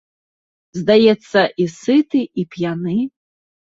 Здаецца, і сыты і п'яны.